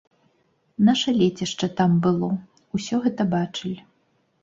І наша лецішча там было, усё гэта бачылі.